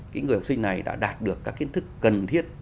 cái người học sinh này đã đạt được các kiến thức cần thiết